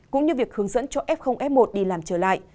cũng như việc hướng dẫn cho f f một đi làm trở lại